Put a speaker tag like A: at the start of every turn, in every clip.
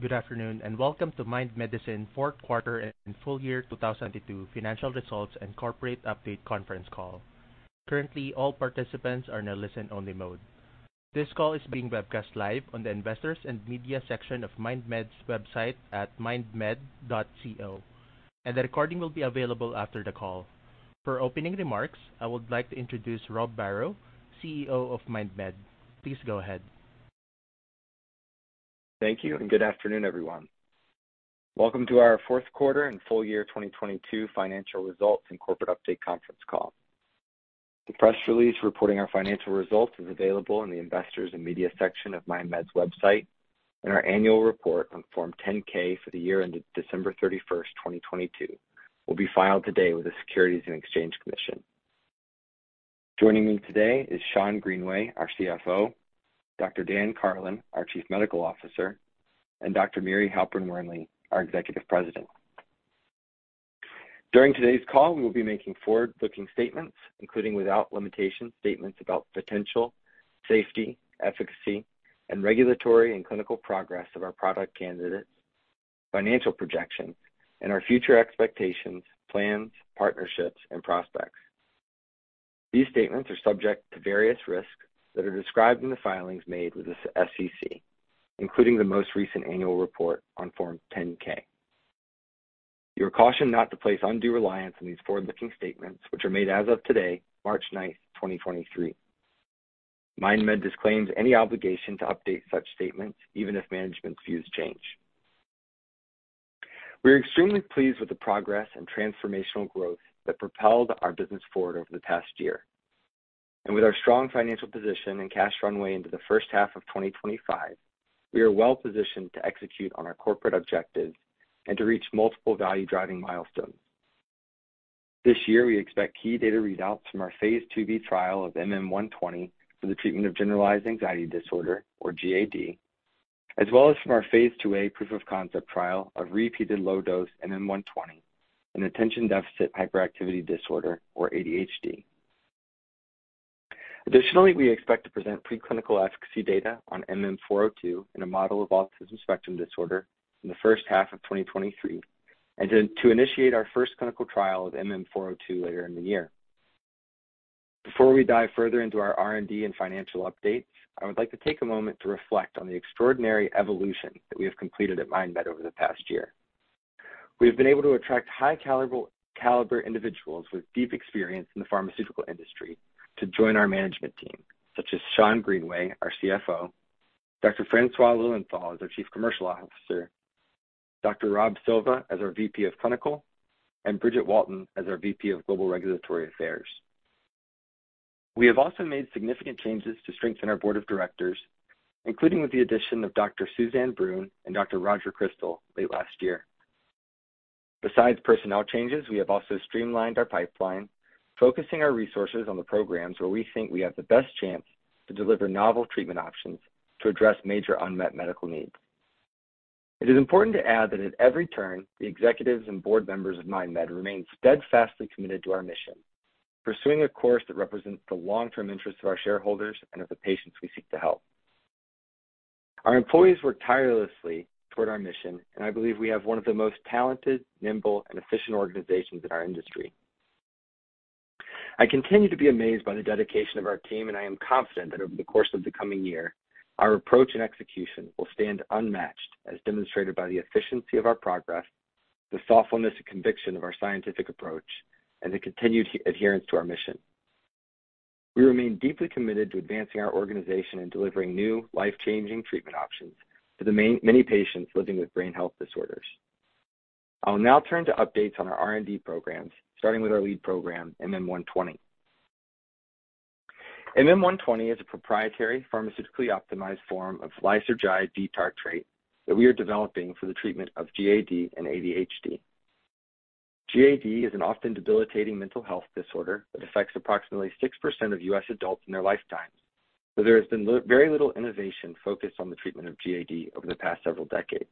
A: Good afternoon, and welcome to Mind Medicines fourth quarter and full year 2022 financial results and corporate update conference call. Currently, all participants are in a listen-only mode. This call is being webcast live on the Investors and Media section of MindMed's website at mindmed.co. The recording will be available after the call. For opening remarks, I would like to introduce Rob Barrow, CEO of MindMed. Please go ahead.
B: Thank you and good afternoon, everyone. Welcome to our 4th quarter and full year 2022 financial results and corporate update conference call. The press release reporting our financial results is available in the Investors and Media section of MindMed's website, and our annual report on Form 10-K for the year ended December 31st, 2022 will be filed today with the Securities and Exchange Commission. Joining me today is Schond Greenway, our CFO, Dr. Dan Karlin, our Chief Medical Officer, and Dr. Miri Halperin Wernli, our Executive President. During today's call, we will be making forward-looking statements, including, without limitation, statements about potential, safety, efficacy and regulatory and clinical progress of our product candidates, financial projections, and our future expectations, plans, partnerships, and prospects. These statements are subject to various risks that are described in the filings made with the SEC, including the most recent annual report on Form 10-K. You are cautioned not to place undue reliance on these forward-looking statements, which are made as of today, March 9, 2023. MindMed disclaims any obligation to update such statements, even if management's views change. We are extremely pleased with the progress and transformational growth that propelled our business forward over the past year. With our strong financial position and cash runway into the first half of 2025, we are well positioned to execute on our corporate objectives and to reach multiple value-driving milestones. This year, we expect key data readouts from our phase IIb trial of MM120 for the treatment of generalized anxiety disorder, or GAD, as well as from our phase IIa proof of concept trial of repeated low dose MM120 in attention deficit hyperactivity disorder, or ADHD. Additionally, we expect to present preclinical efficacy data on MM402 in a model of autism spectrum disorder in the first half of 2023, and then to initiate our first clinical trial of MM402 later in the year. Before we dive further into our R&D and financial updates, I would like to take a moment to reflect on the extraordinary evolution that we have completed at MindMed over the past year. We have been able to attract high caliber individuals with deep experience in the pharmaceutical industry to join our management team, such as Schond Greenway, our CFO, Dr. Francois Lilienthal as our Chief Commercial Officer, Dr. Rob Silva as our VP of Clinical, and Bridget Walton as our VP of Global Regulatory Affairs. We have also made significant changes to strengthen our board of directors, including with the addition of Dr. Suzanne Bruhn and Dr. Roger Crystal late last year. Besides personnel changes, we have also streamlined our pipeline, focusing our resources on the programs where we think we have the best chance to deliver novel treatment options to address major unmet medical needs. It is important to add that at every turn, the executives and board members of MindMed remain steadfastly committed to our mission, pursuing a course that represents the long-term interests of our shareholders and of the patients we seek to help. Our employees work tirelessly toward our mission, and I believe we have one of the most talented, nimble, and efficient organizations in our industry. I continue to be amazed by the dedication of our team. I am confident that over the course of the coming year, our approach and execution will stand unmatched, as demonstrated by the efficiency of our progress, the thoughtfulness and conviction of our scientific approach, and the continued adherence to our mission. We remain deeply committed to advancing our organization and delivering new life-changing treatment options to the many patients living with brain health disorders. I will now turn to updates on our R&D programs, starting with our lead program, MM120. MM120 is a proprietary pharmaceutically optimized form of lysergide tartrate that we are developing for the treatment of GAD and ADHD. GAD is an often debilitating mental health disorder that affects approximately 6% of U.S. adults in their lifetimes, though there has been very little innovation focused on the treatment of GAD over the past several decades.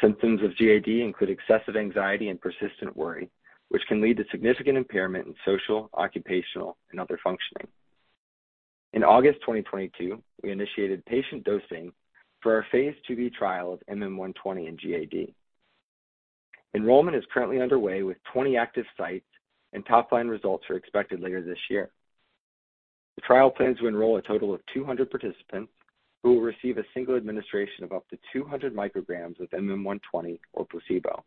B: Symptoms of GAD include excessive anxiety and persistent worry, which can lead to significant impairment in social, occupational, and other functioning. In August 2022, we initiated patient dosing for our phase IIb trial of MM120 in GAD. Enrollment is currently underway with 20 active sites. Top line results are expected later this year. The trial plans to enroll a total of 200 participants who will receive a single administration of up to 200 micrograms of MM120 or placebo.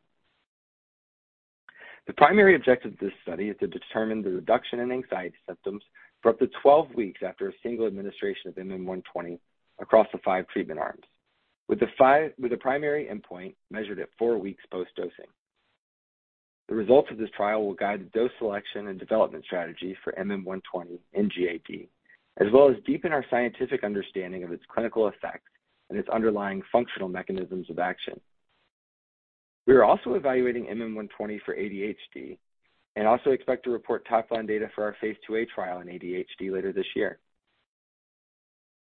B: The primary objective of this study is to determine the reduction in anxiety symptoms for up to 12 weeks after a single administration of MM120 across the five treatment arms, with the primary endpoint measured at four weeks post dosing. The results of this trial will guide the dose selection and development strategy for MM120 in GAD, as well as deepen our scientific understanding of its clinical effects and its underlying functional mechanisms of action. We are also evaluating MM120 for ADHD and also expect to report top line data for our phase IIa trial in ADHD later this year.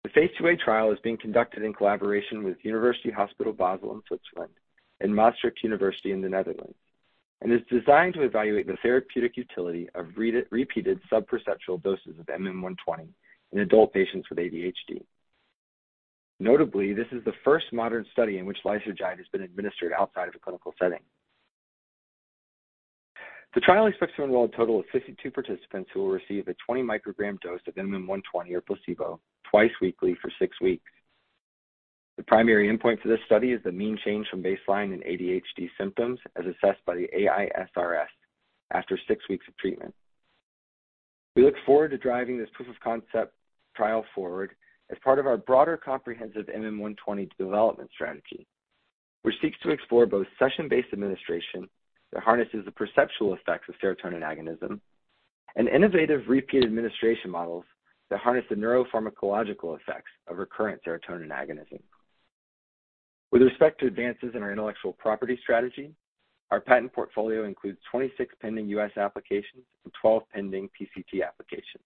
B: The phase IIa trial is being conducted in collaboration with University Hospital Basel in Switzerland and Maastricht University in the Netherlands, and is designed to evaluate the therapeutic utility of re-repeated sub-perceptual doses of MM120 in adult patients with ADHD. Notably, this is the first modern study in which lysergide has been administered outside of a clinical setting. The trial expects to enroll a total of 52 participants who will receive a 20 microgram dose of MM120 or placebo twice weekly for six weeks. The primary endpoint for this study is the mean change from baseline in ADHD symptoms as assessed by the AISRS after six weeks of treatment. We look forward to driving this proof of concept trial forward as part of our broader comprehensive MM120 development strategy, which seeks to explore both session-based administration that harnesses the perceptual effects of serotonin agonism and innovative repeated administration models that harness the neuropharmacological effects of recurrent serotonin agonism. With respect to advances in our intellectual property strategy, our patent portfolio includes 26 pending U.S. applications and 12 pending PCT applications.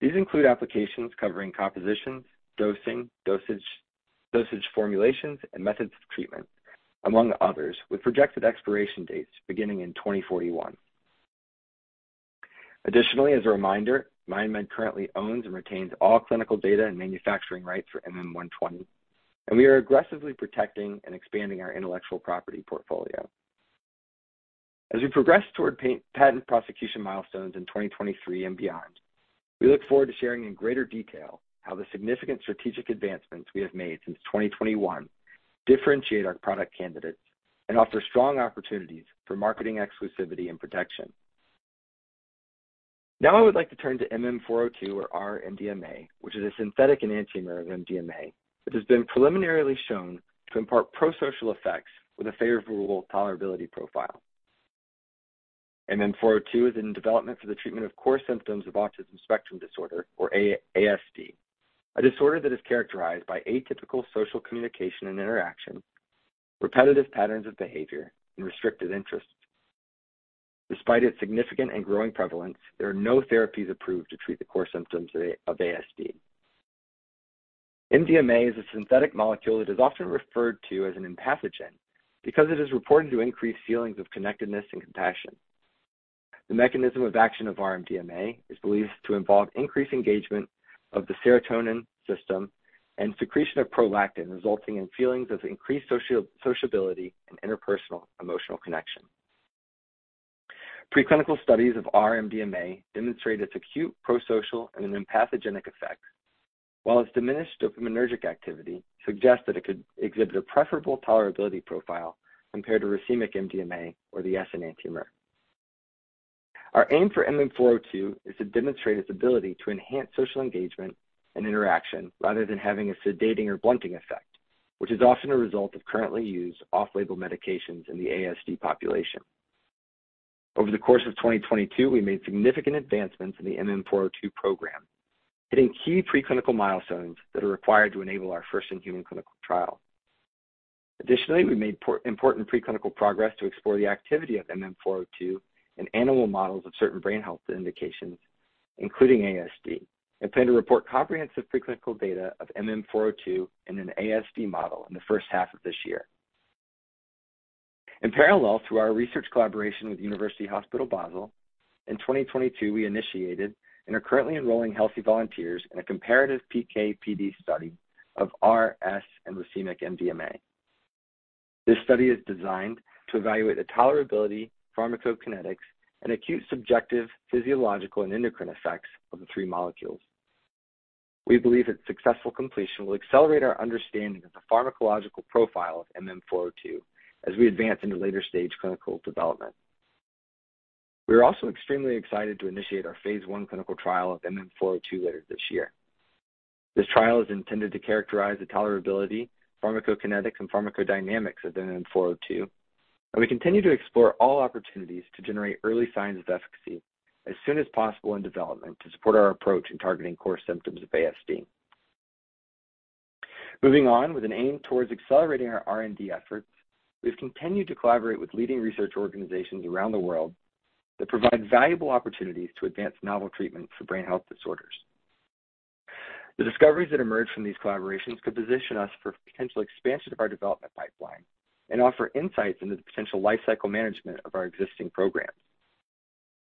B: These include applications covering compositions, dosing, dosage formulations, and methods of treatment, among others, with projected expiration dates beginning in 2041. As a reminder, MindMed currently owns and retains all clinical data and manufacturing rights for MM120, and we are aggressively protecting and expanding our intellectual property portfolio. As we progress toward patent prosecution milestones in 2023 and beyond, we look forward to sharing in greater detail how the significant strategic advancements we have made since 2021 differentiate our product candidates and offer strong opportunities for marketing exclusivity and protection. I would like to turn to MM402 or R-MDMA, which is a synthetic enantiomer of MDMA that has been preliminarily shown to impart pro-social effects with a favorable tolerability profile. MM402 is in development for the treatment of core symptoms of autism spectrum disorder, or ASD, a disorder that is characterized by atypical social communication and interaction, repetitive patterns of behavior, and restricted interests. Despite its significant and growing prevalence, there are no therapies approved to treat the core symptoms of ASD. MDMA is a synthetic molecule that is often referred to as an empathogen because it is reported to increase feelings of connectedness and compassion. The mechanism of action of R-MDMA is believed to involve increased engagement of the serotonin system and secretion of prolactin, resulting in feelings of increased social-sociability and interpersonal emotional connection. Preclinical studies of R-MDMA demonstrate its acute prosocial and an empathogenic effect. While its diminished dopaminergic activity suggests that it could exhibit a preferable tolerability profile compared to racemic MDMA or the S-enantiomer. Our aim for MM402 is to demonstrate its ability to enhance social engagement and interaction rather than having a sedating or blunting effect, which is often a result of currently used off-label medications in the ASD population. Over the course of 2022, we made significant advancements in the MM402 program, hitting key preclinical milestones that are required to enable our first human clinical trial. Additionally, we made important preclinical progress to explore the activity of MM402 in animal models of certain brain health indications, including ASD, and plan to report comprehensive preclinical data of MM402 in an ASD model in the first half of this year. In parallel to our research collaboration with University Hospital Basel, in 2022 we initiated and are currently enrolling healthy volunteers in a comparative PK/PD study of R, S, and racemic MDMA. This study is designed to evaluate the tolerability, pharmacokinetics, and acute, subjective, physiological, and endocrine effects of the three molecules. We believe its successful completion will accelerate our understanding of the pharmacological profile of MM402 as we advance into later stage clinical development. We are also extremely excited to initiate our phase I clinical trial of MM402 later this year. This trial is intended to characterize the tolerability, pharmacokinetics, and pharmacodynamics of MM402, we continue to explore all opportunities to generate early signs of efficacy as soon as possible in development to support our approach in targeting core symptoms of ASD. Moving on. With an aim towards accelerating our R&D efforts, we've continued to collaborate with leading research organizations around the world that provide valuable opportunities to advance novel treatments for brain health disorders. The discoveries that emerge from these collaborations could position us for potential expansion of our development pipeline and offer insights into the potential lifecycle management of our existing programs.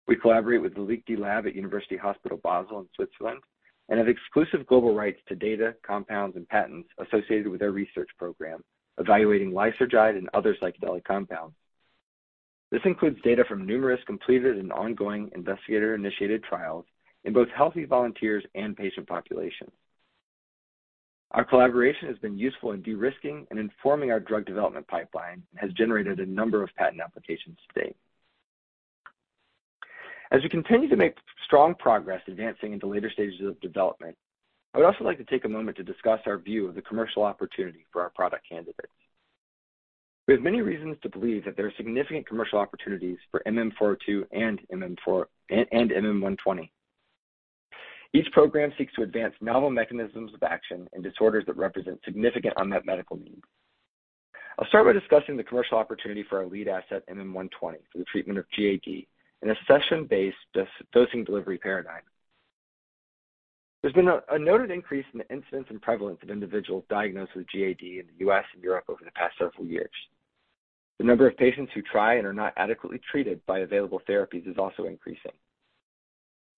B: We collaborate with the Liechti Lab at University Hospital Basel in Switzerland and have exclusive global rights to data, compounds, and patents associated with their research program evaluating lysergide and other psychedelic compounds. This includes data from numerous completed and ongoing investigator-initiated trials in both healthy volunteers and patient populations. Our collaboration has been useful in de-risking and informing our drug development pipeline and has generated a number of patent applications to date. As we continue to make strong progress advancing into later stages of development, I would also like to take a moment to discuss our view of the commercial opportunity for our product candidates. We have many reasons to believe that there are significant commercial opportunities for MM402 and MM120. Each program seeks to advance novel mechanisms of action in disorders that represent significant unmet medical needs. I'll start by discussing the commercial opportunity for our lead asset, MM120, for the treatment of GAD in a session-based dosing delivery paradigm. There's been a noted increase in the incidence and prevalence of individuals diagnosed with GAD in the U.S. and Europe over the past several years. The number of patients who try and are not adequately treated by available therapies is also increasing.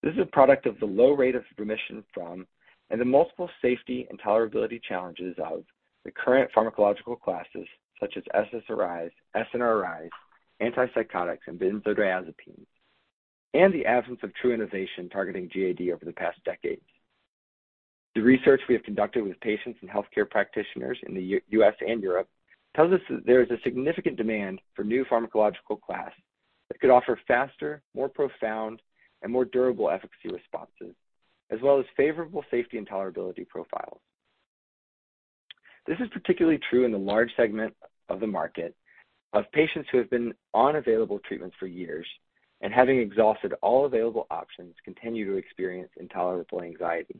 B: This is a product of the low rate of remission from and the multiple safety and tolerability challenges of the current pharmacological classes such as SSRIs, SNRIs, antipsychotics, and benzodiazepines, and the absence of true innovation targeting GAD over the past decades. The research we have conducted with patients and healthcare practitioners in the U.S. and Europe tells us that there is a significant demand for new pharmacological class that could offer faster, more profound, and more durable efficacy responses, as well as favorable safety and tolerability profiles. This is particularly true in the large segment of the market of patients who have been on available treatments for years and having exhausted all available options, continue to experience intolerable anxiety.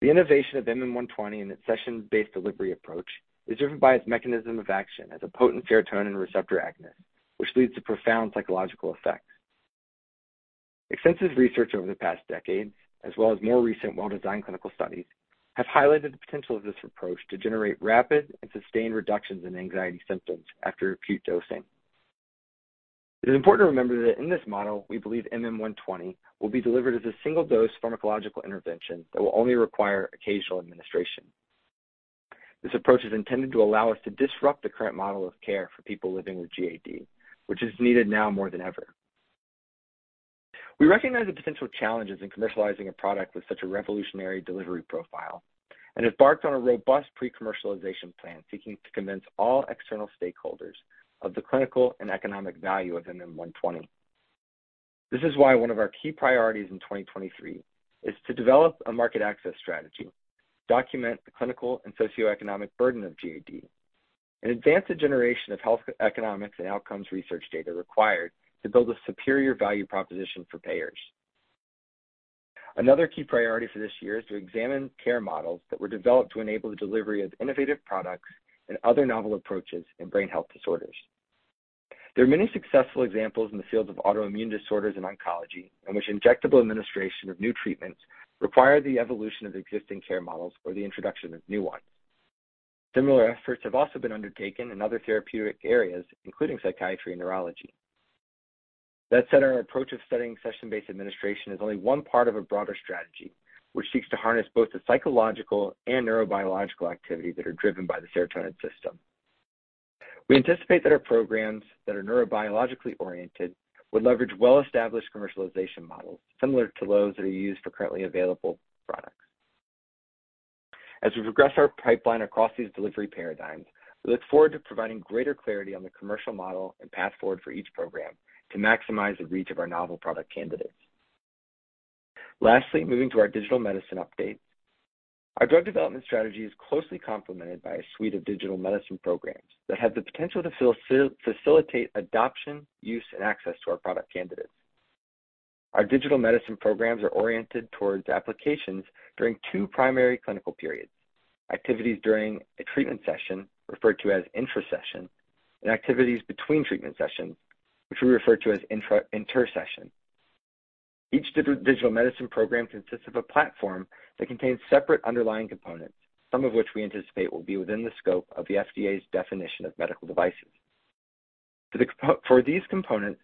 B: The innovation of MM120 and its session-based delivery approach is driven by its mechanism of action as a potent serotonin receptor agonist, which leads to profound psychological effects. Extensive research over the past decade, as well as more recent well-designed clinical studies, have highlighted the potential of this approach to generate rapid and sustained reductions in anxiety symptoms after acute dosing. It is important to remember that in this model, we believe MM120 will be delivered as a single-dose pharmacological intervention that will only require occasional administration. This approach is intended to allow us to disrupt the current model of care for people living with GAD, which is needed now more than ever. We recognize the potential challenges in commercializing a product with such a revolutionary delivery profile and have embarked on a robust pre-commercialization plan seeking to convince all external stakeholders of the clinical and economic value of MM120. This is why one of our key priorities in 2023 is to develop a market access strategy, document the clinical and socioeconomic burden of GAD, and advance the generation of health economics and outcomes research data required to build a superior value proposition for payers. Another key priority for this year is to examine care models that were developed to enable the delivery of innovative products and other novel approaches in brain health disorders. There are many successful examples in the fields of autoimmune disorders and oncology in which injectable administration of new treatments require the evolution of existing care models or the introduction of new ones. Similar efforts have also been undertaken in other therapeutic areas, including psychiatry and neurology. That said, our approach of studying session-based administration is only one part of a broader strategy, which seeks to harness both the psychological and neurobiological activity that are driven by the serotonin system. We anticipate that our programs that are neurobiologically oriented would leverage well-established commercialization models similar to those that are used for currently available products. As we progress our pipeline across these delivery paradigms, we look forward to providing greater clarity on the commercial model and path forward for each program to maximize the reach of our novel product candidates. Moving to our digital medicine update. Our drug development strategy is closely complemented by a suite of digital medicine programs that have the potential to facilitate adoption, use, and access to our product candidates. Our digital medicine programs are oriented towards applications during two primary clinical periods, activities during a treatment session referred to as intra-session, and activities between treatment sessions, which we refer to as inter-session. Each digital medicine program consists of a platform that contains separate underlying components, some of which we anticipate will be within the scope of the FDA's definition of medical devices. For these components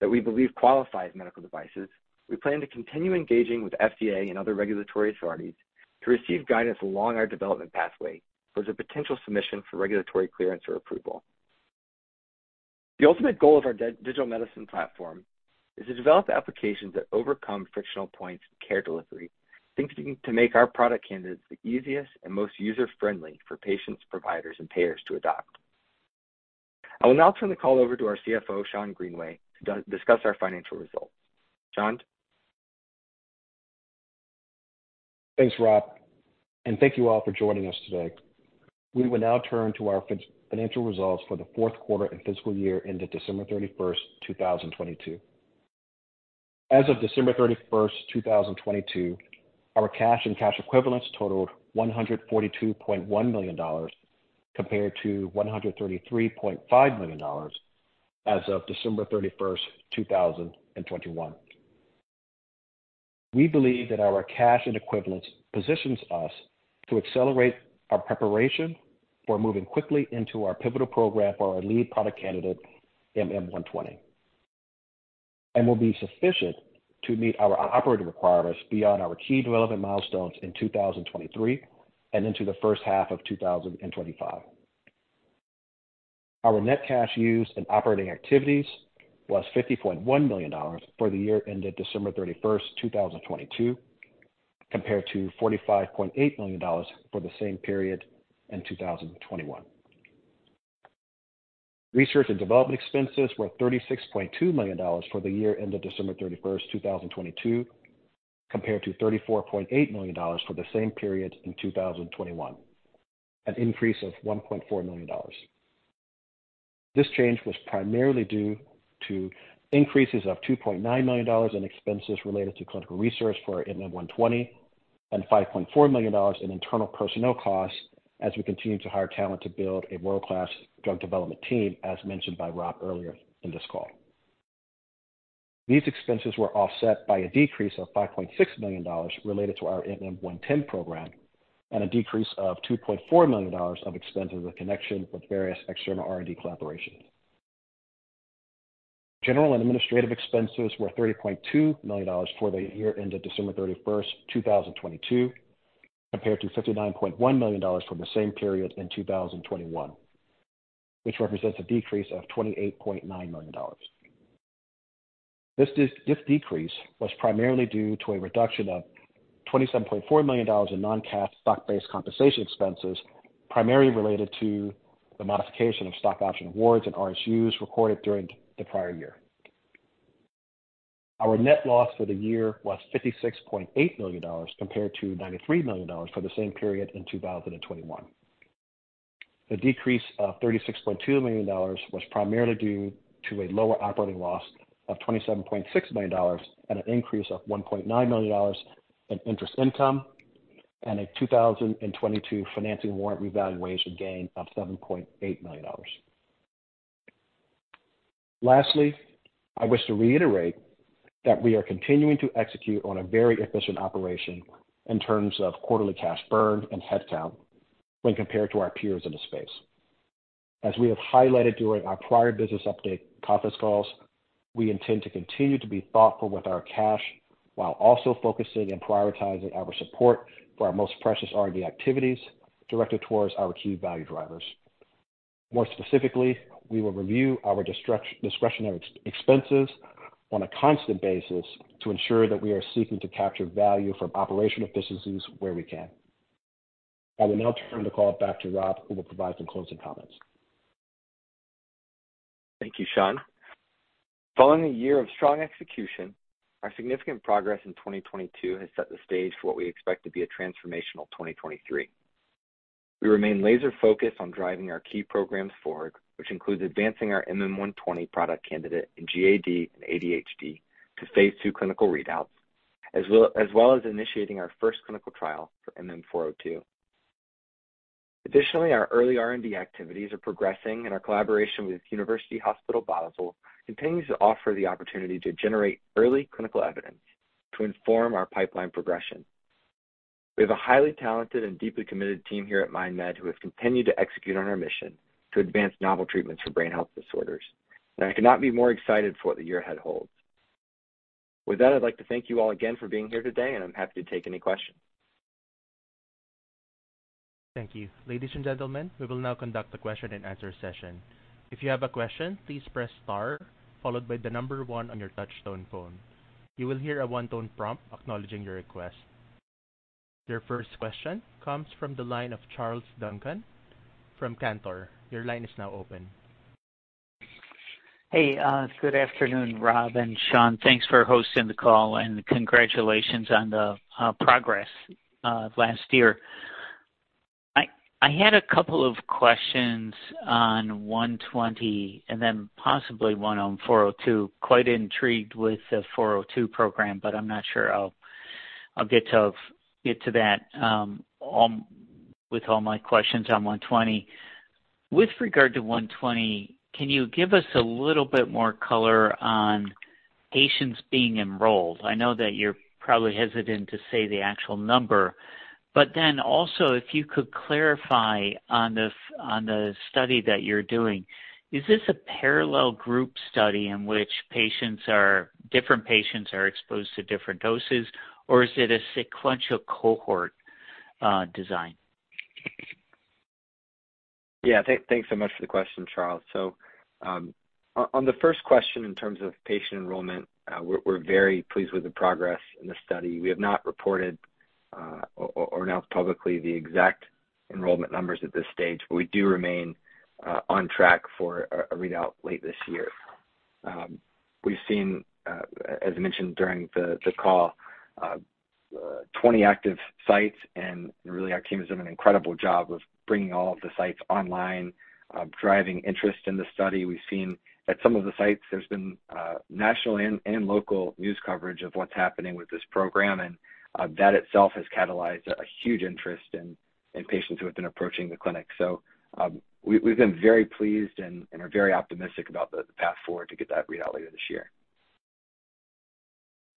B: that we believe qualify as medical devices, we plan to continue engaging with FDA and other regulatory authorities to receive guidance along our development pathway towards a potential submission for regulatory clearance or approval. The ultimate goal of our digital medicine platform is to develop applications that overcome frictional points in care delivery, seeking to make our product candidates the easiest and most user-friendly for patients, providers, and payers to adopt. I will now turn the call over to our CFO, Schond Greenway, to discuss our financial results. Schond?
C: Thanks, Rob, and thank you all for joining us today. We will now turn to our financial results for the fourth quarter and fiscal year ended December 31st, 2022. As of December 31st, 2022, our cash and cash equivalents totaled $142.1 million compared to $133.5 million as of December 31st, 2021. We believe that our cash and equivalents positions us to accelerate our preparation for moving quickly into our pivotal program for our lead product candidate, MM120, and will be sufficient to meet our operating requirements beyond our key development milestones in 2023 and into the first half of 2025. Our net cash used in operating activities was $50.1 million for the year ended December 31st, 2022, compared to $45.8 million for the same period in 2021. Research and development expenses were $36.2 million for the year ended December 31st, 2022, compared to $34.8 million for the same period in 2021, an increase of $1.4 million. This change was primarily due to increases of $2.9 million in expenses related to clinical research for MM120 and $5.4 million in internal personnel costs as we continue to hire talent to build a world-class drug development team, as mentioned by Rob earlier in this call. These expenses were offset by a decrease of $5.6 million related to our MM110 program and a decrease of $2.4 million of expenses in connection with various external R&D collaborations. General and administrative expenses were $30.2 million for the year ended December 31st, 2022, compared to $59.1 million for the same period in 2021, which represents a decrease of $28.9 million. This decrease was primarily due to a reduction of $27.4 million in non-cash stock-based compensation expenses, primarily related to the modification of stock option awards and RSUs recorded during the prior year. Our net loss for the year was $56.8 million, compared to $93 million for the same period in 2021. The decrease of $36.2 million was primarily due to a lower operating loss of $27.6 million and an increase of $1.9 million in interest income and a 2022 financing warrant revaluation gain of $7.8 million. Lastly, I wish to reiterate that we are continuing to execute on a very efficient operation in terms of quarterly cash burn and headcount when compared to our peers in the space. As we have highlighted during our prior business update conference calls, we intend to continue to be thoughtful with our cash while also focusing and prioritizing our support for our most precious R&D activities directed towards our key value drivers. More specifically, we will review our discretionary expenses on a constant basis to ensure that we are seeking to capture value from operational efficiencies where we can. I will now turn the call back to Rob, who will provide some closing comments.
B: Thank you, Schond. Following a year of strong execution, our significant progress in 2022 has set the stage for what we expect to be a transformational 2023. We remain laser focused on driving our key programs forward, which includes advancing our MM120 product candidate in GAD and ADHD to phase II clinical readouts, as well as initiating our first clinical trial for MM402. Additionally, our early R&D activities are progressing, and our collaboration with University Hospital Basel continues to offer the opportunity to generate early clinical evidence to inform our pipeline progression. We have a highly talented and deeply committed team here at MindMed who have continued to execute on our mission to advance novel treatments for brain health disorders. I could not be more excited for what the year ahead holds. With that, I'd like to thank you all again for being here today. I'm happy to take any questions.
A: Thank you. Ladies and gentlemen, we will now conduct a question and answer session. If you have a question, please press star followed by the number one on your touch tone phone. You will hear a one-tone prompt acknowledging your request. Your first question comes from the line of Charles Duncan from Cantor. Your line is now open.
D: Hey, good afternoon, Rob and Schond. Thanks for hosting the call and congratulations on the progress last year. I had a couple of questions on MM120 and then possibly one on MM402. Quite intrigued with the MM402 program, but I'm not sure I'll get to that with all my questions on MM120. With regard to MM120, can you give us a little bit more color on patients being enrolled? I know that you're probably hesitant to say the actual number, but then also if you could clarify on the study that you're doing, is this a parallel group study in which different patients are exposed to different doses or is it a sequential cohort design?
B: Yeah, thanks so much for the question, Charles. On the first question in terms of patient enrollment, we're very pleased with the progress in the study. We have not reported or announced publicly the exact enrollment numbers at this stage, but we do remain on track for a readout late this year. We've seen, as mentioned during the call, 20 active sites. Really our team has done an incredible job of bringing all of the sites online, driving interest in the study. We've seen at some of the sites there's been national and local news coverage of what's happening with this program. That itself has catalyzed a huge interest in patients who have been approaching the clinic. We've been very pleased and are very optimistic about the path forward to get that readout later this year.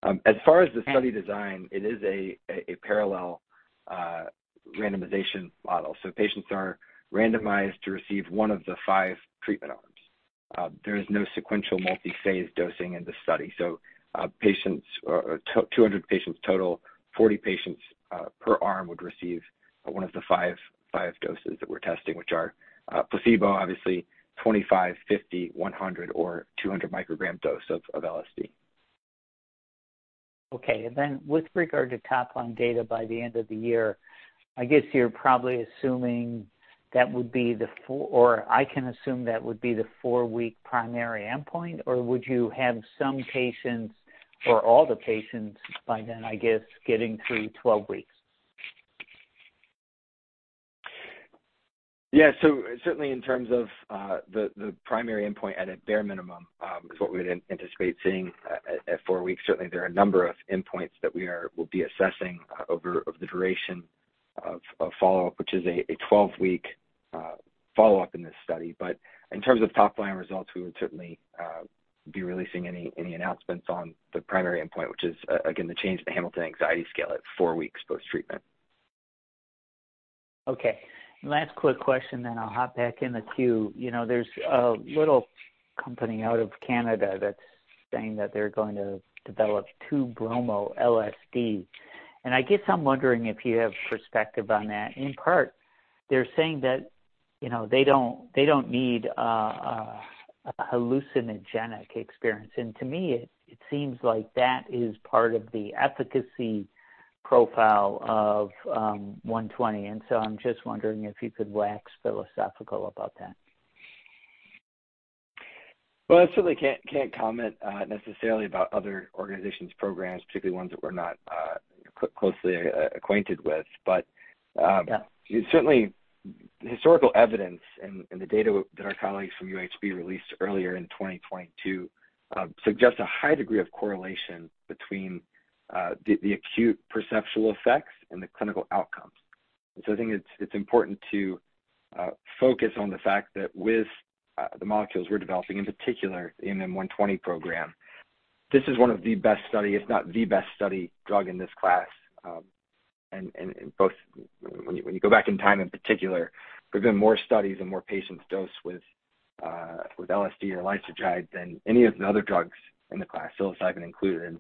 B: As far as the study design, it is a parallel randomization model. Patients are randomized to receive one of the five treatment arms. There is no sequential multi-phase dosing in this study. Patients, 200 patients total, 40 patients per arm would receive one of the five doses that we're testing, which are placebo, obviously 25, 50, 100, or 200 microgram dose of LSD.
D: Okay. Then with regard to top-line data by the end of the year, I guess you're probably assuming that would be the four-week primary endpoint, or would you have some patients or all the patients by then, I guess, getting through 12 weeks?
B: Certainly in terms of the primary endpoint at a bare minimum, is what we would anticipate seeing at four weeks. Certainly, there are a number of endpoints that we'll be assessing over the duration of follow-up, which is a 12-week follow-up in this study. In terms of top-line results, we would certainly be releasing any announcements on the primary endpoint, which is again, the change in the Hamilton Anxiety Scale at four weeks post-treatment.
D: Last quick question, then I'll hop back in the queue. You know, there's a little company out of Canada that's saying that they're going to develop 2-Bromo-LSD. I guess I'm wondering if you have perspective on that. In part, they're saying that, you know, they don't need a hallucinogenic experience. To me, it seems like that is part of the efficacy profile of MM120. I'm just wondering if you could wax philosophical about that.
B: I certainly can't comment necessarily about other organizations' programs, particularly ones that we're not closely acquainted with.
D: Yeah.
B: Certainly, historical evidence and the data that our colleagues from UHB released earlier in 2022, suggests a high degree of correlation between the acute perceptual effects and the clinical outcomes. I think it's important to focus on the fact that with the molecules we're developing, in particular MM120 program, this is one of the best study, if not the best studied drug in this class. When you go back in time, in particular, there's been more studies and more patients dosed with LSD or lysergide than any of the other drugs in the class, psilocybin included.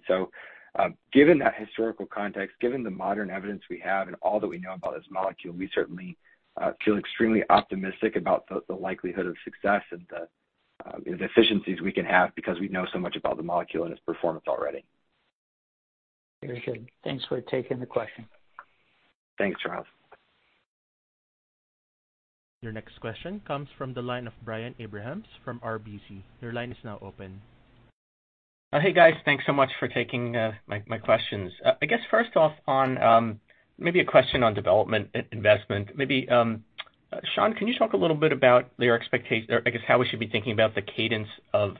B: Given that historical context, given the modern evidence we have and all that we know about this molecule, we certainly feel extremely optimistic about the likelihood of success and the efficiencies we can have because we know so much about the molecule and its performance already.
D: Very good. Thanks for taking the question.
B: Thanks, Charles.
A: Your next question comes from the line of Brian Abrahams from RBC. Your line is now open.
E: Hey, guys. Thanks so much for taking my questions. I guess first off on maybe a question on development investment. Maybe Schond, can you talk a little bit about your expectation. I guess how we should be thinking about the cadence of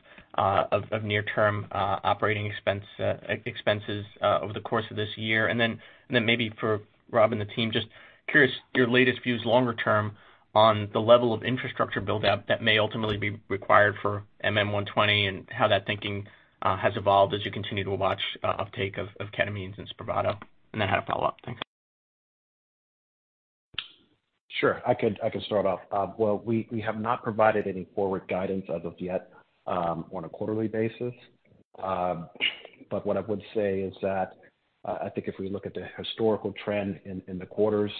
E: near-term operating expenses over the course of this year? Maybe for Rob and the team, just curious your latest views longer term on the level of infrastructure build out that may ultimately be required for MM120 and how that thinking has evolved as you continue to watch uptake of ketamine since SPRAVATO. I have a follow-up. Thanks.
C: Sure. I can start off. Well, we have not provided any forward guidance as of yet, on a quarterly basis. What I would say is that, I think if we look at the historical trend in the quarters,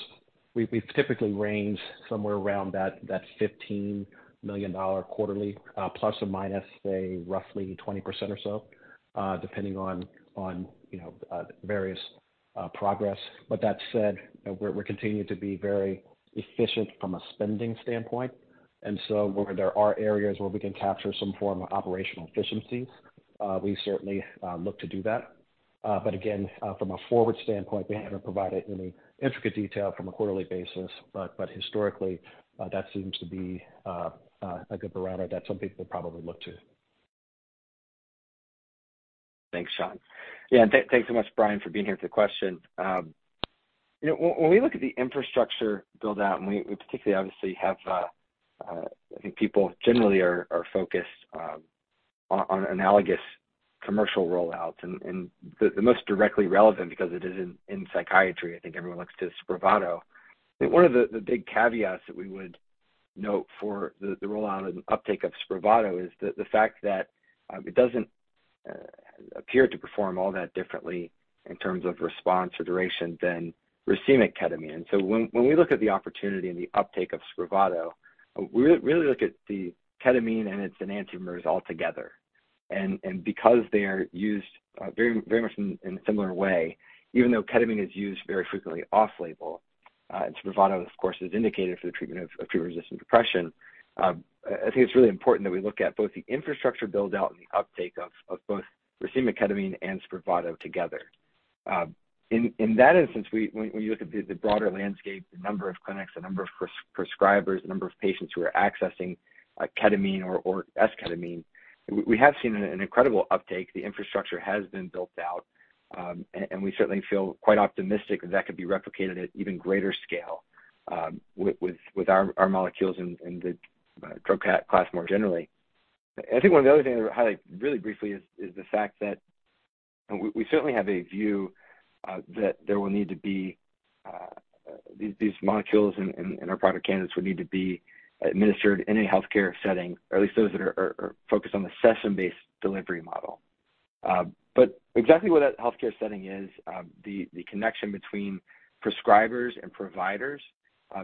C: we've typically ranged somewhere around that $15 million quarterly, plus or minus, say, roughly 20% or so, depending on, you know, various progress. That said, we're continuing to be very efficient from a spending standpoint. Where there are areas where we can capture some form of operational efficiencies, we certainly look to do that. Again, from a forward standpoint, we haven't provided any intricate detail from a quarterly basis. Historically, that seems to be a good barometer. That's something we'll probably look to.
B: Thanks, Schond. Yeah, and thanks so much, Brian, for being here with the question. You know, when we look at the infrastructure build out and we particularly obviously have, I think people generally are focused, on analogous commercial rollouts and, the most directly relevant because it is in psychiatry, I think everyone looks to SPRAVATO. I think one of the big caveats that we would note for the rollout and uptake of SPRAVATO is the fact that, it doesn't appear to perform all that differently in terms of response or duration than racemic ketamine. When we look at the opportunity and the uptake of SPRAVATO, we really look at the ketamine and its enantiomers altogether. Because they are used very, very much in a similar way, even though ketamine is used very frequently off-label, and SPRAVATO of course, is indicated for the treatment of treatment-resistant depression, I think it's really important that we look at both the infrastructure build out and the uptake of both racemic ketamine and SPRAVATO together. In that instance, when we look at the broader landscape, the number of clinics, the number of prescribers, the number of patients who are accessing ketamine or esketamine, we have seen an incredible uptake. The infrastructure has been built out, and we certainly feel quite optimistic that that could be replicated at even greater scale, with our molecules and the drug class more generally. I think one of the other things I would highlight really briefly is the fact that we certainly have a view that there will need to be these molecules and our product candidates will need to be administered in a healthcare setting, or at least those that are focused on the session-based delivery model. But exactly what that healthcare setting is, the connection between prescribers and providers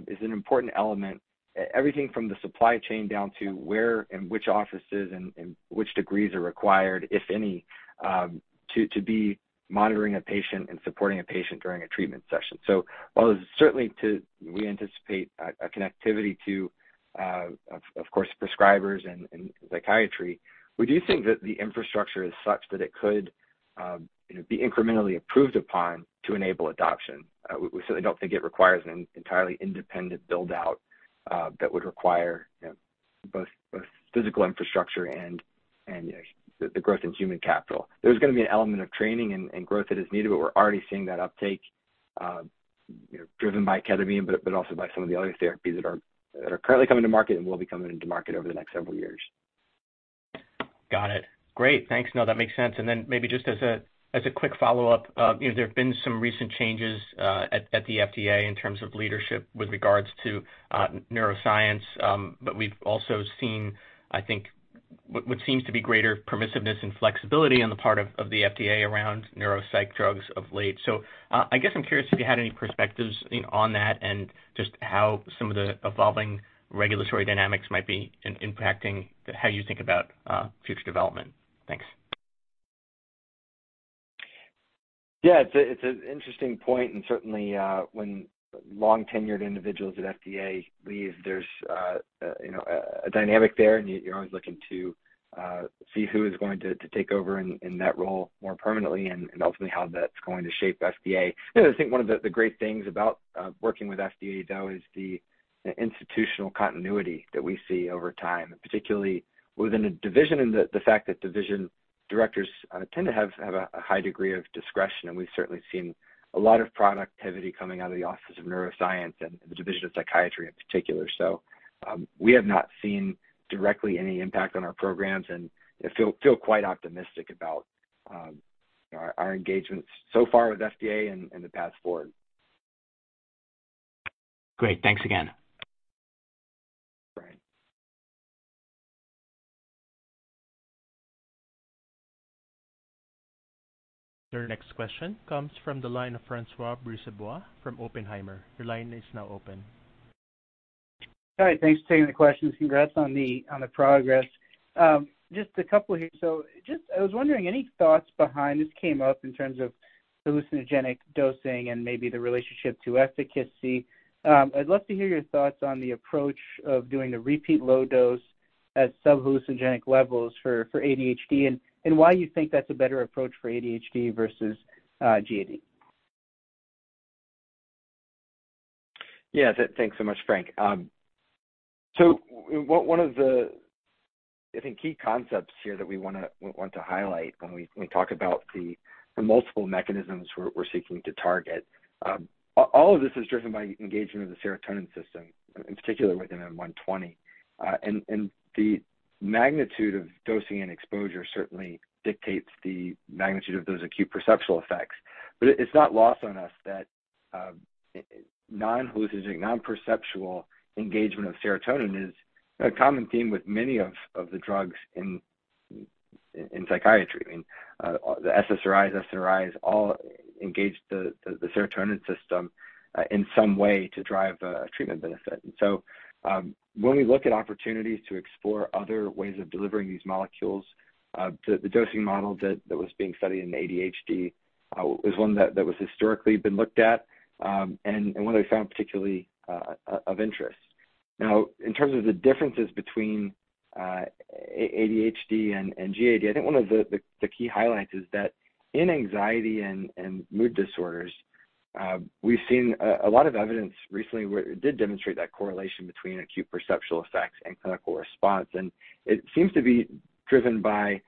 B: is an important element. Everything from the supply chain down to where and which offices and which degrees are required, if any, to be monitoring a patient and supporting a patient during a treatment session. While certainly we anticipate a connectivity to, of course, prescribers and psychiatry. We do think that the infrastructure is such that it could be incrementally improved upon to enable adoption. We certainly don't think it requires an entirely independent build-out that would require, you know, both physical infrastructure and the growth in human capital. There's gonna be an element of training and growth that is needed, but we're already seeing that uptake, you know, driven by ketamine, but also by some of the other therapies that are currently coming to market and will be coming into market over the next several years.
E: Got it. Great. Thanks. No, that makes sense. Maybe just as a quick follow-up, you know, there have been some recent changes at the FDA in terms of leadership with regards to neuroscience. We've also seen, I think, what seems to be greater permissiveness and flexibility on the part of the FDA around neuropsych drugs of late. I guess I'm curious if you had any perspectives, you know, on that and just how some of the evolving regulatory dynamics might be impacting the how you think about future development. Thanks.
B: Yeah, it's a, it's an interesting point, and certainly, when long-tenured individuals at FDA leave, there's, you know, a dynamic there, and you're always looking to see who is going to take over in that role more permanently and ultimately how that's going to shape FDA. You know, I think one of the great things about working with FDA, though, is the institutional continuity that we see over time, particularly within a division and the fact that division directors tend to have a high degree of discretion. We've certainly seen a lot of productivity coming out of the Office of Neuroscience and the Division of Psychiatry in particular. We have not seen directly any impact on our programs, and I feel quite optimistic about our engagements so far with FDA and the path forward.
E: Great. Thanks again.
B: Right.
A: Our next question comes from the line of François Brisebois from Oppenheimer. Your line is now open.
F: Hi. Thanks for taking the questions. Congrats on the, on the progress. Just a couple here. I was wondering, any thoughts behind, this came up in terms of hallucinogenic dosing and maybe the relationship to efficacy. I'd love to hear your thoughts on the approach of doing the repeat low dose at sub-hallucinogenic levels for ADHD and why you think that's a better approach for ADHD versus GAD.
B: Yeah. Thanks so much, Frank. One of the, I think, key concepts here that we want to highlight when we talk about the multiple mechanisms we're seeking to target, all of this is driven by engagement of the serotonin system, in particular with MM120. The magnitude of dosing and exposure certainly dictates the magnitude of those acute perceptual effects. But it's not lost on us that non-hallucinogenic, non-perceptual engagement of serotonin is a common theme with many of the drugs in psychiatry. I mean, the SSRIs, SNRIs all engage the serotonin system in some way to drive a treatment benefit. When we look at opportunities to explore other ways of delivering these molecules, the dosing model that was being studied in ADHD, was one that was historically been looked at, and one that we found particularly of interest. In terms of the differences between ADHD and GAD, I think one of the key highlights is that in anxiety and mood disorders, we've seen a lot of evidence recently where it did demonstrate that correlation between acute perceptual effects and clinical response. It seems to be driven by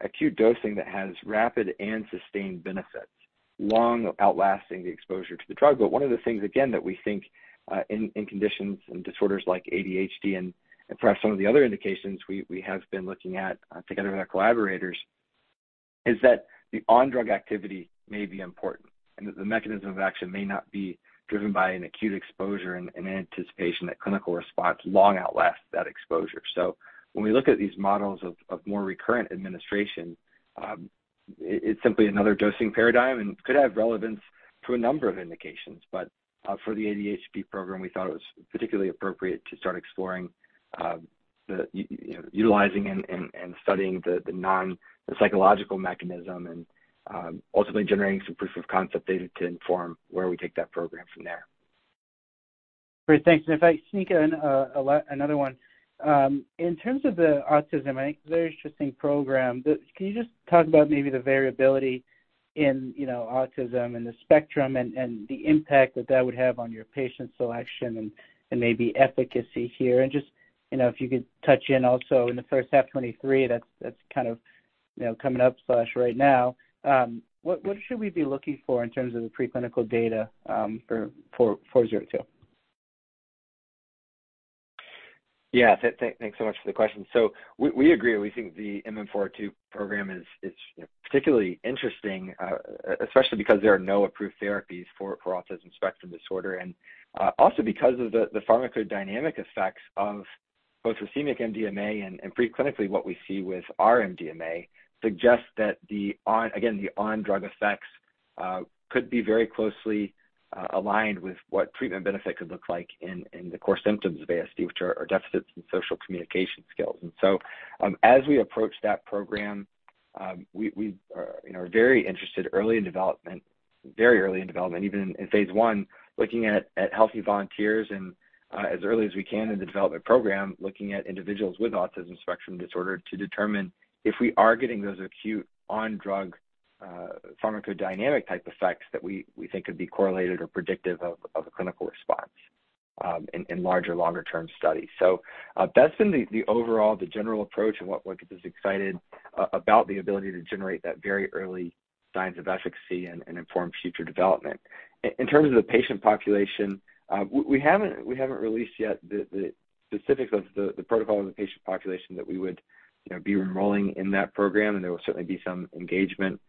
B: acute dosing that has rapid and sustained benefits long outlasting the exposure to the drug. One of the things, again, that we think, in conditions and disorders like ADHD and perhaps some of the other indications we have been looking at, together with our collaborators, is that the on-drug activity may be important and that the mechanism of action may not be driven by an acute exposure in anticipation that clinical response long outlasts that exposure. When we look at these models of more recurrent administration, it's simply another dosing paradigm and could have relevance to a number of indications. For the ADHD program, we thought it was particularly appropriate to start exploring, utilizing and studying the psychological mechanism and ultimately generating some proof of concept data to inform where we take that program from there.
F: Great. Thanks. If I sneak in another one, in terms of the autism, I think a very interesting program. Can you just talk about maybe the variability in, you know, autism and the spectrum and the impact that that would have on your patient selection and maybe efficacy here? Just, you know, if you could touch in also in the first half 2023, that's kind of, you know, coming up slash right now, what should we be looking for in terms of the preclinical data for MM402?
B: Yeah. Thanks so much for the question. We agree. We think the MM402 program is, you know, particularly interesting, especially because there are no approved therapies for autism spectrum disorder. Also because of the pharmacodynamic effects of both racemic MDMA and preclinically, what we see with our MDMA suggests that again, the on-drug effects could be very closely aligned with what treatment benefit could look like in the core symptoms of ASD, which are deficits in social communication skills. As we approach that program, we are, you know, are very interested early in development, very early in development, even in phase I, looking at healthy volunteers and, as early as we can in the development program, looking at individuals with Autism Spectrum Disorder to determine if we are getting those acute on drug, pharmacodynamic type effects that we think could be correlated or predictive of a clinical response, in larger, longer term studies. That's been the overall, the general approach and what gets us excited about the ability to generate that very early signs of efficacy and inform future development. In terms of the patient population, we haven't released yet the specifics of the protocol of the patient population that we would, you know, be enrolling in that program. There will certainly be some engagement,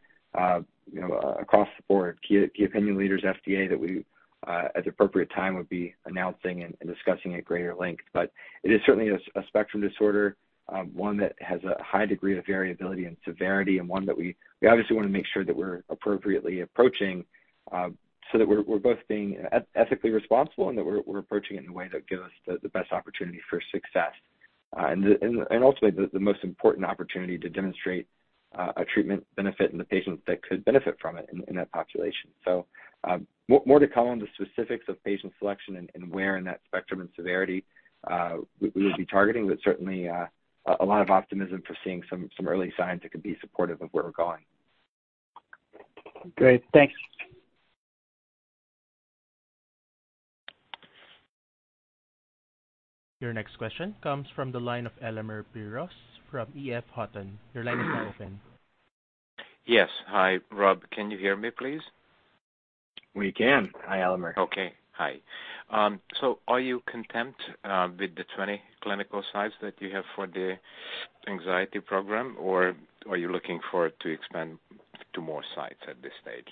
B: you know, across the board, key opinion leaders, FDA, that we at the appropriate time would be announcing and discussing at greater length. It is certainly a spectrum disorder, one that has a high degree of variability and severity, and one that we obviously wanna make sure that we're appropriately approaching so that we're both being ethically responsible and that we're approaching it in a way that gives us the best opportunity for success. Ultimately the most important opportunity to demonstrate a treatment benefit in the patients that could benefit from it in that population. More to come on the specifics of patient selection and where in that spectrum and severity we would be targeting. Certainly, a lot of optimism for seeing some early signs that could be supportive of where we're going.
F: Great. Thanks.
A: Your next question comes from the line of Elemer Piros from EF Hutton. Your line is now open.
G: Yes. Hi, Rob. Can you hear me please?
B: We can. Hi, Elemer.
G: Okay. Hi. Are you content with the 20 clinical sites that you have for the anxiety program, or are you looking for it to expand to more sites at this stage?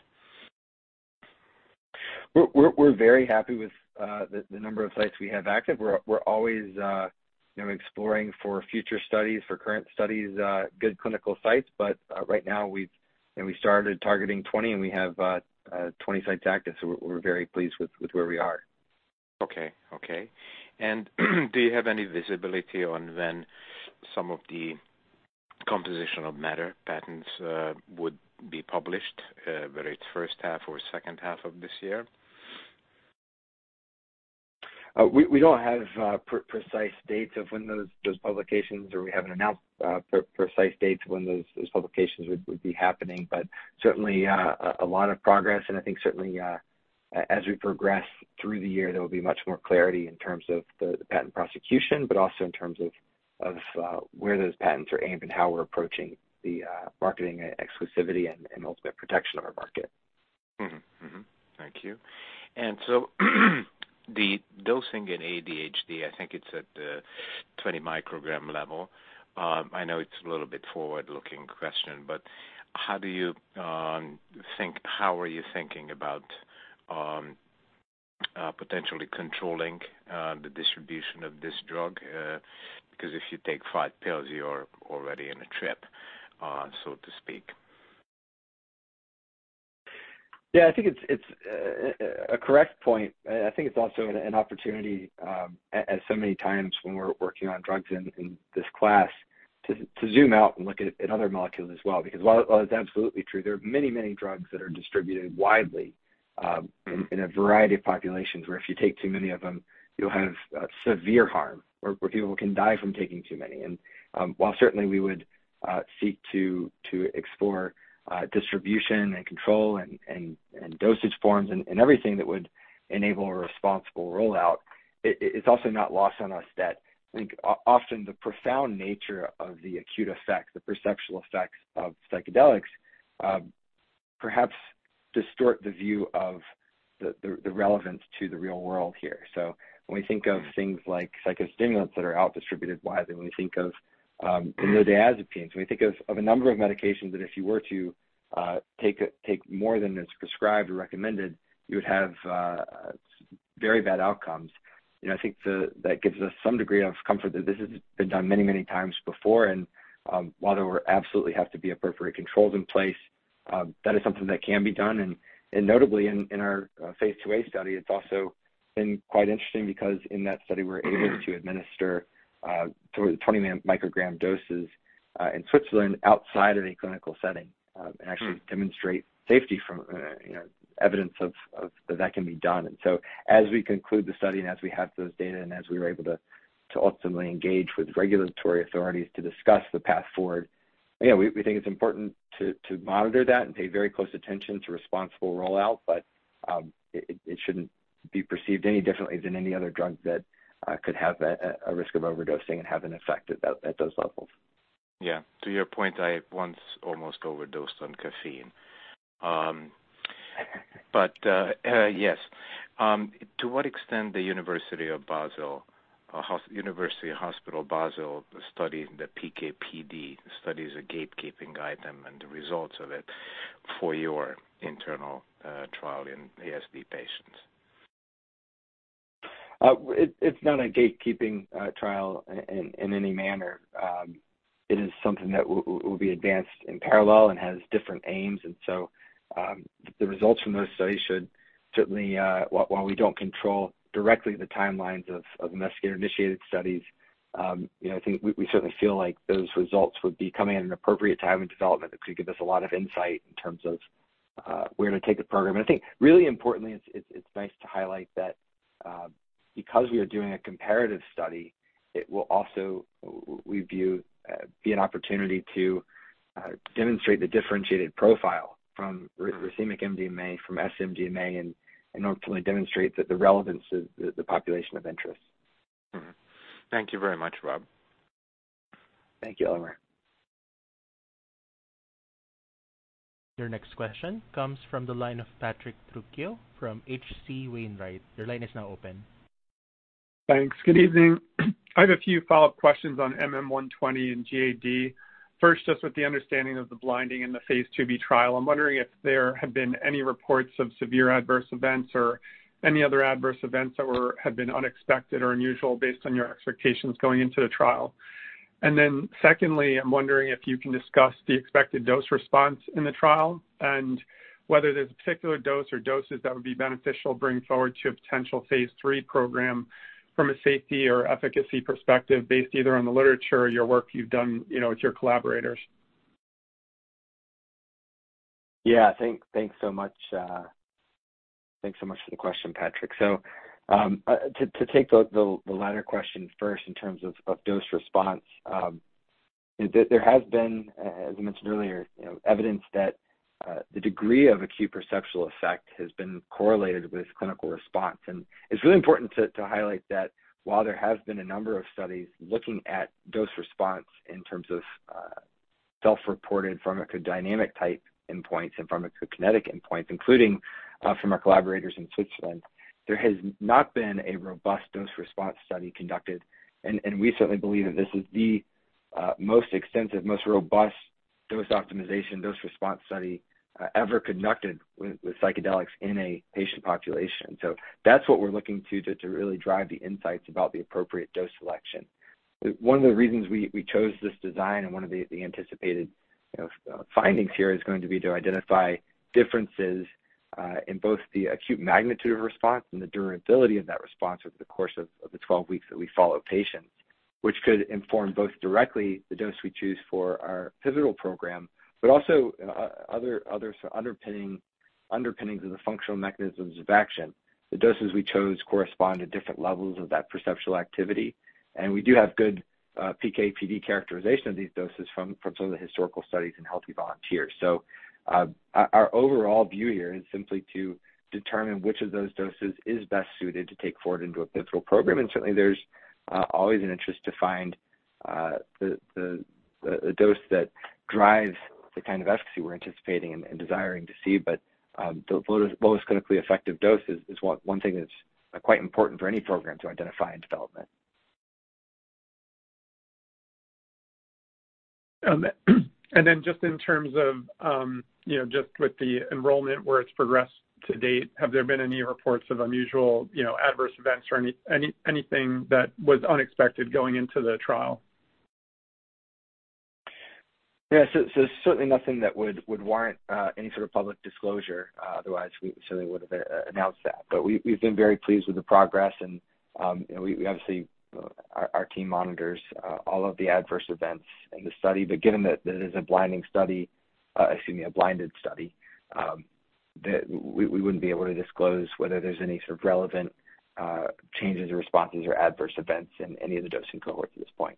B: We're very happy with the number of sites we have active. We're always, you know, exploring for future studies, for current studies, good clinical sites. Right now we started targeting 20, and we have 20 sites active, so we're very pleased with where we are.
G: Okay. Okay. Do you have any visibility on when some of the composition of matter patents would be published, whether it's first half or second half of this year?
B: We don't have pre-precise dates of when those publications are. We haven't announced pre-precise dates when those publications would be happening, but certainly a lot of progress. I think certainly as we progress through the year, there will be much more clarity in terms of the patent prosecution, but also in terms of where those patents are aimed and how we're approaching the marketing exclusivity and ultimate protection of our market.
G: Thank you. The dosing in ADHD, I think it's at 20 microgram level. I know it's a little bit forward-looking question, but how are you thinking about potentially controlling the distribution of this drug? If you take five pills, you're already in a trip, so to speak.
B: Yeah. I think it's a correct point. I think it's also an opportunity, as so many times when we're working on drugs in this class to zoom out and look at other molecules as well. While it's absolutely true, there are many drugs that are distributed widely, in a variety of populations where if you take too many of them, you'll have severe harm or people can die from taking too many. While certainly we would seek to explore distribution and control and dosage forms and everything that would enable a responsible rollout, it's also not lost on us that I think often the profound nature of the acute effects, the perceptual effects of psychedelics, perhaps distort the view of the relevance to the real world here. When we think of things like psychostimulants that are out distributed widely, when we think of the benzodiazepines, when we think of a number of medications that if you were to take more than is prescribed or recommended, you would have very bad outcomes. You know, I think that gives us some degree of comfort that this has been done many, many times before. While there absolutely have to be appropriate controls in place, that is something that can be done. Notably in our phase IIa study, it's also been quite interesting because in that study we're able to administer 20 microgram doses in Switzerland outside of a clinical setting and actually demonstrate safety from, you know, evidence of that that can be done. As we conclude the study and as we have those data and as we were able to ultimately engage with regulatory authorities to discuss the path forward, you know, we think it's important to monitor that and pay very close attention to responsible rollout, but it shouldn't be perceived any differently than any other drug that could have a risk of overdosing and have an effect at those levels.
G: Yeah. To your point, I once almost overdosed on caffeine. Yes, to what extent University Hospital Basel studied the PK/PD studies, the gatekeeping guide them and the results of it for your internal trial in ASD patients?
B: It's not a gatekeeping trial in any manner. It is something that will be advanced in parallel and has different aims. The results from those studies should certainly, while we don't control directly the timelines of investigator-initiated studies, you know, I think we certainly feel like those results would be coming at an appropriate time in development that could give us a lot of insight in terms of we're going to take the program. I think really importantly, it's nice to highlight that because we are doing a comparative study, it will also, we view, be an opportunity to demonstrate the differentiated profile from racemic MDMA from sMDMA, and ultimately demonstrate that the relevance is the population of interest.
G: Mm-hmm. Thank you very much, Rob.
B: Thank you, Elemer.
A: Your next question comes from the line of Patrick Trucchio from H.C. Wainwright. Your line is now open.
H: Thanks. Good evening. I have a few follow-up questions on MM120 and GAD. First, just with the understanding of the blinding in the phase IIb trial, I'm wondering if there have been any reports of severe adverse events or any other adverse events that have been unexpected or unusual based on your expectations going into the trial. Secondly, I'm wondering if you can discuss the expected dose response in the trial and whether there's a particular dose or doses that would be beneficial bring forward to a potential phase III program from a safety or efficacy perspective based either on the literature or your work you've done, you know, with your collaborators.
B: Yeah. Thanks so much. Thanks so much for the question, Patrick. To take the latter question first in terms of dose response. There has been, as I mentioned earlier, you know, evidence that the degree of acute perceptual effect has been correlated with clinical response. It's really important to highlight that while there has been a number of studies looking at dose response in terms of self-reported pharmacodynamic type endpoints and pharmacokinetic endpoints, including from our collaborators in Switzerland, there has not been a robust dose response study conducted. We certainly believe that this is the most extensive, most robust dose optimization, dose response study ever conducted with psychedelics in a patient population. That's what we're looking to really drive the insights about the appropriate dose selection. One of the reasons we chose this design and one of the anticipated, you know, findings here is going to be to identify differences in both the acute magnitude of response and the durability of that response over the course of the 12 weeks that we follow patients, which could inform both directly the dose we choose for our pivotal program, but also other underpinnings of the functional mechanisms of action. The doses we chose correspond to different levels of that perceptual activity, and we do have good PK/PD characterization of these doses from some of the historical studies in healthy volunteers. Our overall view here is simply to determine which of those doses is best suited to take forward into a pivotal program. Certainly, there's always an interest to find the dose that drives the kind of ecstasy we're anticipating and desiring to see. The lowest clinically effective dose is one thing that's quite important for any program to identify in development.
H: Just in terms of, you know, just with the enrollment, where it's progressed to date, have there been any reports of unusual, you know, adverse events or anything that was unexpected going into the trial?
B: Yeah. Certainly nothing that would warrant any sort of public disclosure. Otherwise we certainly would have announced that. We've been very pleased with the progress and, you know, our team monitors all of the adverse events in the study. Given that this is a blinding study, excuse me, a blinded study, that we wouldn't be able to disclose whether there's any sort of relevant changes or responses or adverse events in any of the dosing cohorts at this point.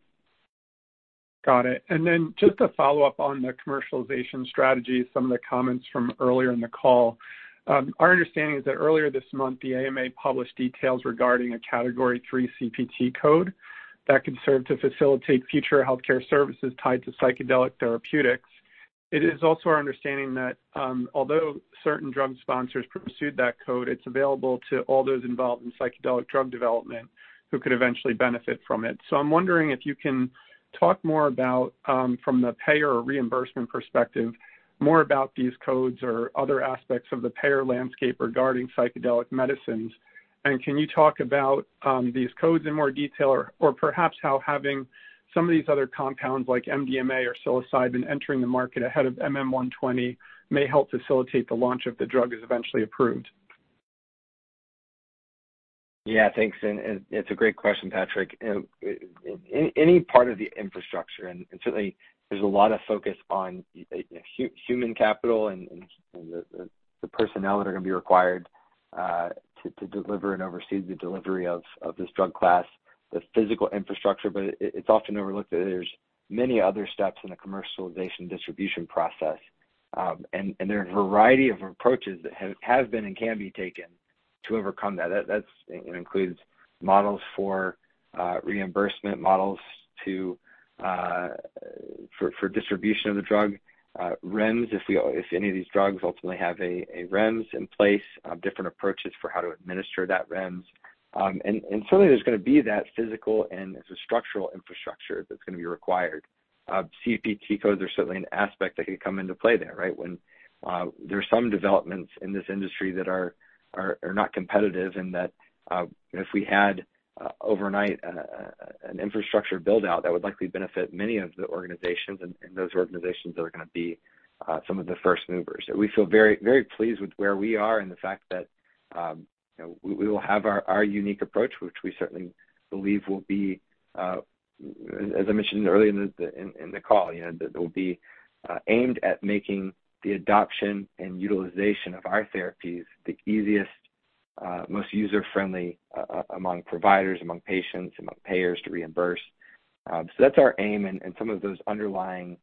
H: Got it. Then just to follow up on the commercialization strategy, some of the comments from earlier in the call. Our understanding is that earlier this month, the AMA published details regarding a Category III CPT code that could serve to facilitate future healthcare services tied to psychedelic therapeutics. It is also our understanding that, although certain drug sponsors pursued that code, it's available to all those involved in psychedelic drug development who could eventually benefit from it. I'm wondering if you can talk more about, from the payer or reimbursement perspective, more about these codes or other aspects of the payer landscape regarding psychedelic medicines. Can you talk about these codes in more detail or perhaps how having some of these other compounds like MDMA or psilocybin entering the market ahead of MM120 may help facilitate the launch if the drug is eventually approved?
B: Yeah, thanks. It's a great question, Patrick. Any part of the infrastructure, certainly there's a lot of focus on human capital and the personnel that are going to be required to deliver and oversee the delivery of this drug class, the physical infrastructure. It's often overlooked that there's many other steps in the commercialization distribution process. There are a variety of approaches that have been and can be taken to overcome that. It includes models for reimbursement, models for distribution of the drug, REMS. If any of these drugs ultimately have a REMS in place, different approaches for how to administer that REMS. Certainly there's going to be that physical and structural infrastructure that's going to be required. CPT codes are certainly an aspect that could come into play there, right? When there are some developments in this industry that are not competitive and that if we had overnight an infrastructure build-out, that would likely benefit many of the organizations and those organizations that are going to be some of the first movers. We feel very, very pleased with where we are and the fact that we will have our unique approach, which we certainly believe will be, as I mentioned earlier in the call, you know, that will be aimed at making the adoption and utilization of our therapies the easiest, most user-friendly among providers, among patients, among payers to reimburse. That's our aim. Some of those underlying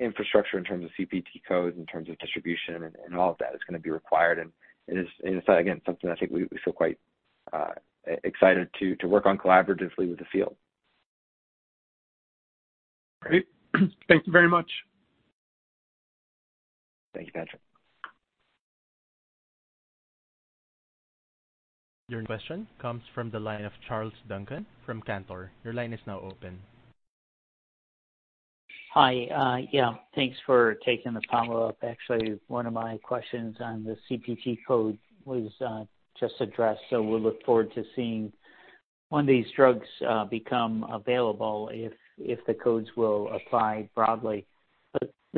B: infrastructure in terms of CPT codes, in terms of distribution and all of that is gonna be required. It is, again, something I think we feel quite excited to work on collaboratively with the field.
H: Great. Thank you very much.
B: Thank you, Patrick.
A: Your next question comes from the line of Charles Duncan from Cantor. Your line is now open.
D: Hi. Yeah, thanks for taking the follow-up. Actually, one of my questions on the CPT code was just addressed, so we look forward to seeing when these drugs become available, if the codes will apply broadly.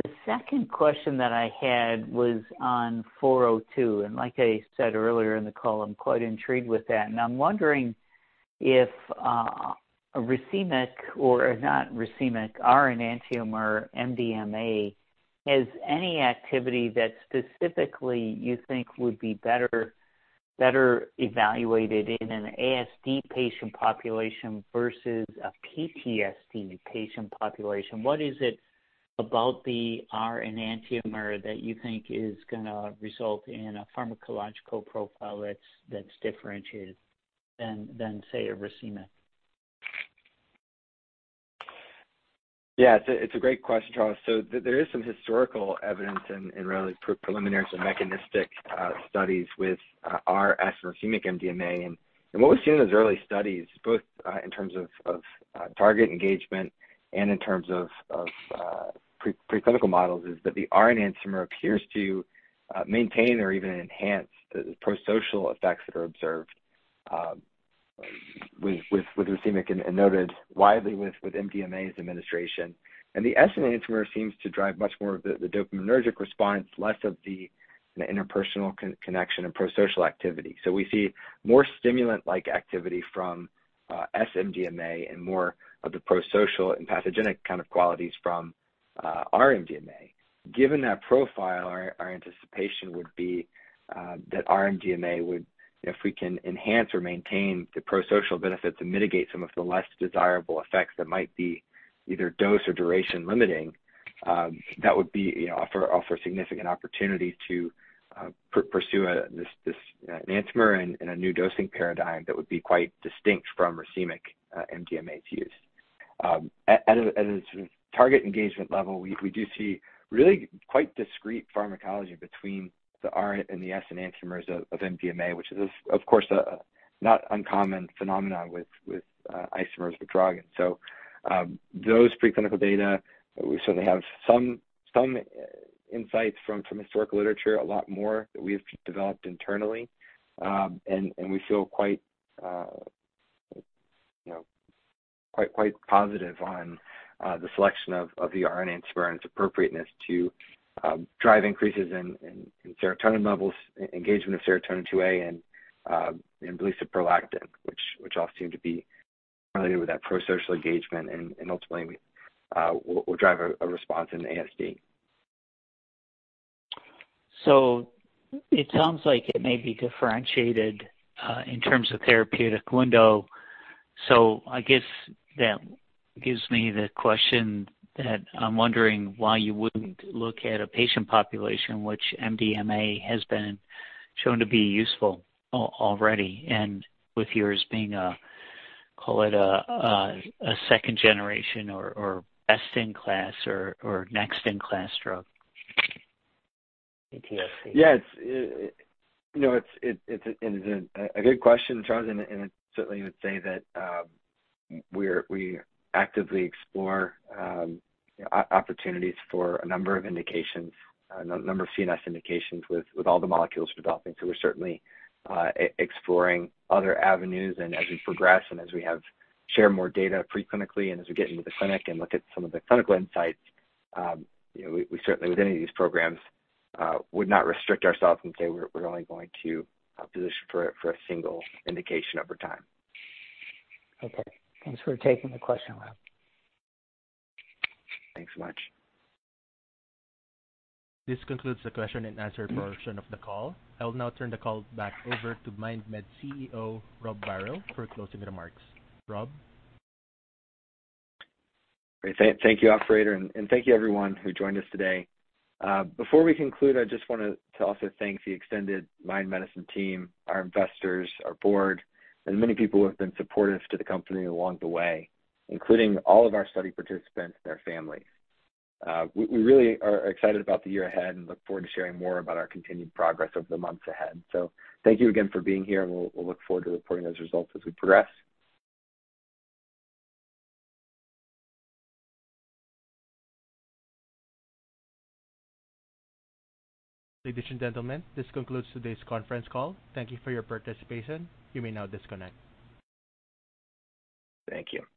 D: The second question that I had was on 402, and like I said earlier in the call, I'm quite intrigued with that. I'm wondering if a racemic or a not racemic R-enantiomer MDMA has any activity that specifically you think would be better evaluated in an ASD patient population versus a PTSD patient population. What is it about the R-enantiomer that you think is gonna result in a pharmacological profile that's differentiated than, say, a racemic?
B: Yeah. It's a great question, Charles. There is some historical evidence and really preliminary mechanistic studies with RS racemic MDMA. What we've seen in those early studies, both in terms of target engagement and in terms of preclinical models, is that the R-enantiomer appears to maintain or even enhance the prosocial effects that are observed with racemic and noted widely with MDMA's administration. The S-enantiomer seems to drive much more of the dopaminergic response, less of the interpersonal connection and prosocial activity. We see more stimulant-like activity from S-MDMA and more of the prosocial and empathogen kind of qualities from R-MDMA. Given that profile, our anticipation would be that R-MDMA would, if we can enhance or maintain the prosocial benefits and mitigate some of the less desirable effects that might be either dose or duration limiting, that would be, you know, offer significant opportunities to pursue this enantiomer and a new dosing paradigm that would be quite distinct from racemic MDMA's use. At a sort of target engagement level, we do see really quite discrete pharmacology between the R- and S-enantiomers of MDMA, which is of course a not uncommon phenomenon with isomers of a drug. Those preclinical data, we certainly have some insights from historical literature, a lot more that we have developed internally. We feel quite, you know, quite positive on the selection of the R-enantiomer and its appropriateness to drive increases in serotonin levels, engagement of serotonin 2A and release of prolactin, which all seem to be related with that prosocial engagement and ultimately, we'll drive a response in ASD.
D: It sounds like it may be differentiated in terms of therapeutic window. I guess that gives me the question that I'm wondering why you wouldn't look at a patient population which MDMA has been shown to be useful already, and with yours being a, call it a second generation or best in class or next in class drug. PTSD.
B: Yeah. It's, you know, it's a good question, Charles, and I certainly would say that we actively explore opportunities for a number of indications, a number of CNS indications with all the molecules we're developing. We're certainly exploring other avenues. As we progress and as we share more data preclinically and as we get into the clinic and look at some of the clinical insights, you know, we certainly, with any of these programs, would not restrict ourselves and say we're only going to position for a single indication over time.
D: Okay. Thanks for taking the question, Rob.
B: Thanks so much.
A: This concludes the question and answer portion of the call. I will now turn the call back over to MindMed CEO, Rob Barrow, for closing remarks. Rob?
B: Great. Thank you, operator, and thank you everyone who joined us today. Before we conclude, I just wanted to also thank the extended Mind Medicine team, our investors, our board, and many people who have been supportive to the company along the way, including all of our study participants and their families. We really are excited about the year ahead and look forward to sharing more about our continued progress over the months ahead. Thank you again for being here, and we'll look forward to reporting those results as we progress.
A: Ladies and gentlemen, this concludes today's conference call. Thank you for your participation. You may now disconnect.
B: Thank you.